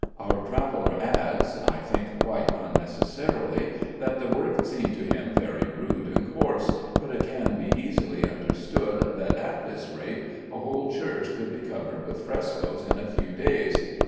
Our traveller adds (I think quite unnecessarily) that the work seemed to him very rude and coarse but it can be easily understood that at this rate a whole church could be covered with frescoes in a few days.